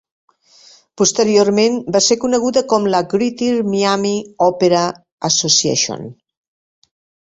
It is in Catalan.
Posteriorment, va ser coneguda com la Greater Miami Opera Association.